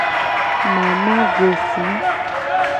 Mamajesi.